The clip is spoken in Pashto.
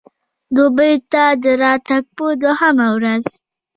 دوبۍ ته د راتګ په دوهمه ورځ.